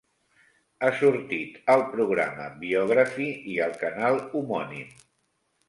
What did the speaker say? Ha sortit al programa Biography i al canal homònim.